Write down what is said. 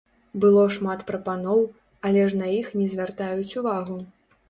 Было шмат прапаноў, але ж на іх не звяртаюць увагу.